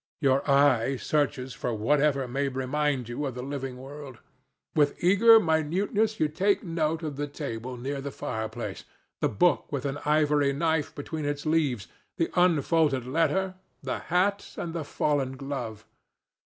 Your eye searches for whatever may remind you of the living world. With eager minuteness you take note of the table near the fireplace, the book with an ivory knife between its leaves, the unfolded letter, the hat and the fallen glove.